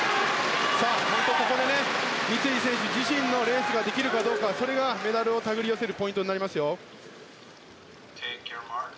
ここで三井選手自身のレースができるかどうかそれがメダルを手繰り寄せるポイントになりますよ。